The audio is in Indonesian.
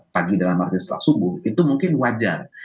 pagi dalam arti setelah subuh itu mungkin wajar